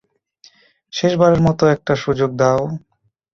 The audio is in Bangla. শেষ বারের মতো একটা সুযোগ দাও।